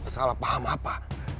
salah paham apa